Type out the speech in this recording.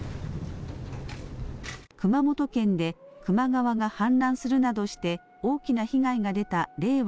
熊本県で球磨川が氾濫するなどして大きな被害が出た令和